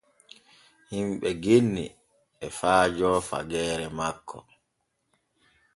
Himɓe genni e faajo fageere makko.